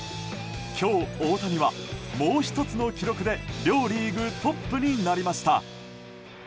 今日、大谷はもう１つの記録で両リーグトップになりました。